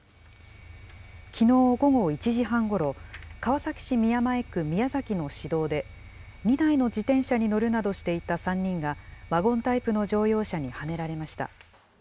きのう午後１時半ごろ、川崎市宮前区宮崎の市道で、２台の自転車に乗るなどしていた３人がワゴンタイプの乗用車にはねられました。